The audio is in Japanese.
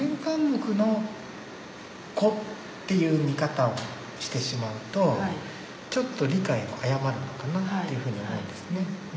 緘黙の子っていう見方をしてしまうとちょっと理解を誤るのかなっていうふうに思うんですね。